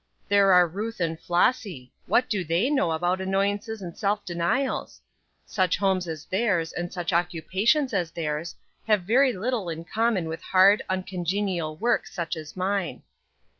There are Ruth and Flossy; what do they know about annoyances or self denials? Such homes as theirs and such occupations as theirs have very little in common with hard, uncongenial work such as mine.